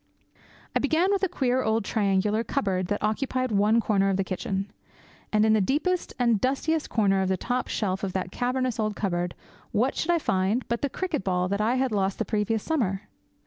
I began with a queer old triangular cupboard that occupied one corner of the kitchen. And in the deepest and dustiest corner of the top shelf of that cavernous old cupboard, what should I find but the cricket ball that I had lost the previous summer?